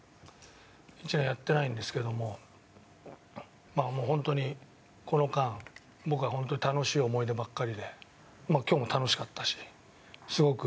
１年やってないんですけどもまあもうホントにこの間僕はホントに楽しい思い出ばっかりで今日も楽しかったしすごく。